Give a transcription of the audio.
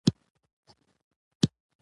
خدمت د ټولنې د هوساینې سبب ګرځي.